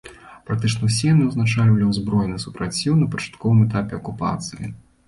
Практычна ўсе яны ўзначальвалі ўзброены супраціў на пачатковым этапе акупацыі.